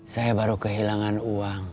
saya baru kehilangan uang